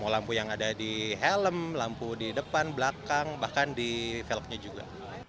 lampu yang ada di helm lampu di depan belakang bahkan di velognya juga